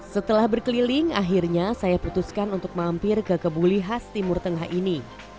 setelah berkeliling akhirnya saya putuskan untuk mampir ke kebuli khas timur tengah ini